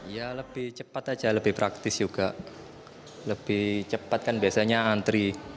ya lebih cepat aja lebih praktis juga lebih cepat kan biasanya antri